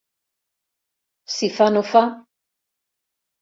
Si fa no fa.